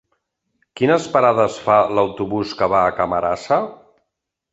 Quines parades fa l'autobús que va a Camarasa?